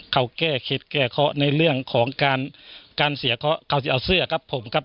เขาแก้เคล็ดแก้เคิดในเรื่องของการเสียเค้าเอาเสื้อกับผมเนี่ย